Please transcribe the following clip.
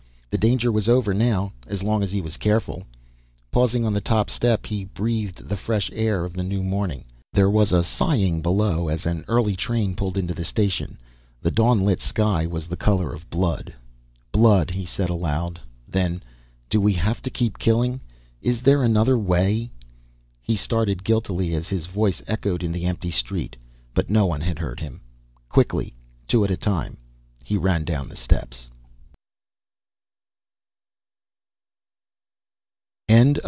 The danger was over now, as long as he was careful. Pausing on the top step, he breathed the fresh air of the new morning. There was a sighing below as an early train pulled into the station. The dawn lit sky was the color of blood. "Blood," he said aloud. Then, "Do we have to keep on killing? Isn't there another way?" He started guiltily as his voice echoed in the empty street, but no one had heard him. Quickly, two at a time, he ran down the steps.